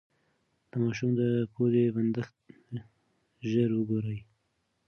د ماشوم د پوزې بندښت ژر وګورئ.